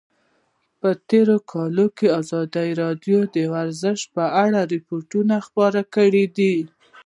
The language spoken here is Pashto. په تېرو کلونو کې ازادي راډیو د ورزش په اړه راپورونه خپاره کړي دي.